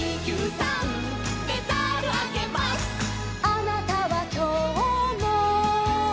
「あなたはきょうも」